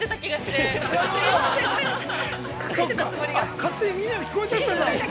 勝手にみんなに聞こえちゃったんだ。